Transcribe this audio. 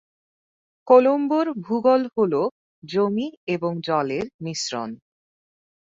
কলম্বোর ভূগোল হল জমি এবং জলের মিশ্রণ।